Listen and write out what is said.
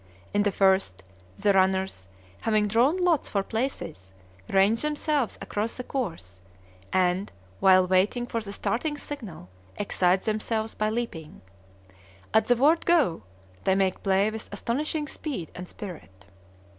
In the first, the runners, having drawn lots for places, range themselves across the course, and, while waiting for the starting signal, excite themselves by leaping. At the word "Go," they make play with astonishing speed and spirit.